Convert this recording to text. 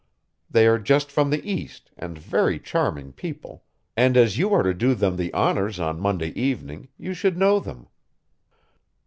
They are just from the East, and very charming people, and as you are to do them the honors on Monday evening, you should know them."